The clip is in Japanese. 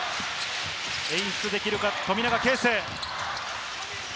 演出できるか富永啓生。